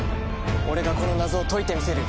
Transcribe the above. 俺がこの謎を解いてみせる。